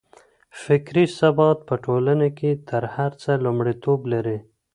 فکري ثبات په ټولنه کي تر هر څه لومړيتوب لري.